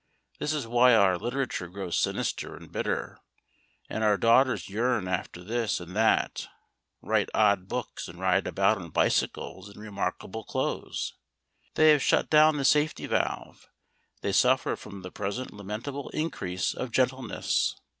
This is why our literature grows sinister and bitter, and our daughters yearn after this and that, write odd books, and ride about on bicycles in remarkable clothes. They have shut down the safety valve, they suffer from the present lamentable increase of gentleness.